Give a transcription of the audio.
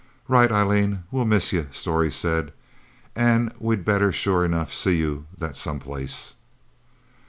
"Right, Eileen we'll miss yuh," Storey said. "And we better sure enough see you that someplace!"